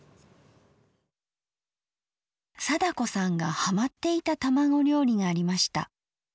貞子さんがはまっていた卵料理がありました。